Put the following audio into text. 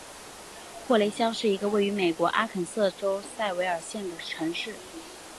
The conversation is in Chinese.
霍雷肖是一个位于美国阿肯色州塞维尔县的城市。